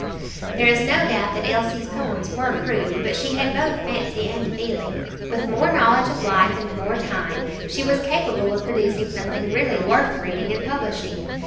There is no doubt that Elsie's poems were crude, but she had both fancy and feeling. With more knowledge of life and more time, she was capable of producing something really worth reading and publishing.